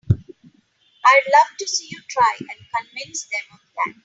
I'd love to see you try and convince them of that!